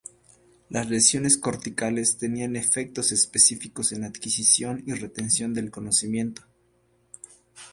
Las lesiones corticales tenían efectos específicos en la adquisición y retención del conocimiento.